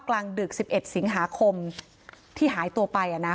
กลางดึกสิบเอ็ดสิงหาคมที่หายตัวไปอะนะ